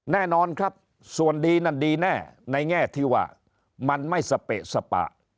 แน่นอนครับส่วนดีนั่นดีแน่ในแง่ที่ว่ามันไม่สเปะสปะ